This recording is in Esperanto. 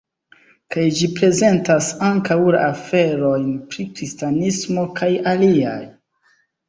Kaj ĝi prezentas ankaŭ la aferojn pri kristanismo kaj aliaj.